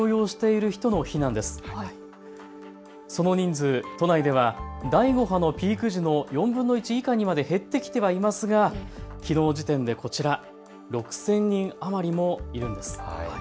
その人数、都内では第５波のピーク時の４分の１以下にまで減ってきてはいますがきのう時点でこちら、６０００人余りもいるんです。